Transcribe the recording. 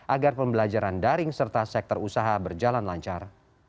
agar pembelajaran daring serta sektor usaha berjalan lancar